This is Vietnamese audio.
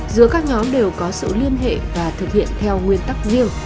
giữa các nhóm đều có sự liên hệ và thực hiện theo nguyên tắc riêng